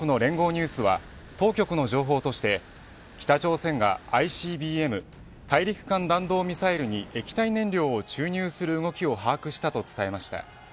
ニュースは当局の情報として北朝鮮がＩＣＢＭ大陸間弾道ミサイルに液体燃料を注入する動きを把握したと伝えました。